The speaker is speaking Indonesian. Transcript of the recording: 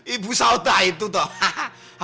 ibu saudah itu toh